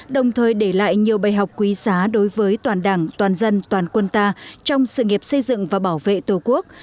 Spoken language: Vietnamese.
đồng thời để lại nhiều bài học quý giá đối với toàn đảng toàn dân toàn quân ta trong sự nghiệp xây dựng và bảo vệ tổ quốc